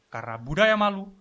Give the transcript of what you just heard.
karena budaya malu